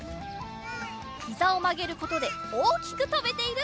ひざをまげることでおおきくとべている！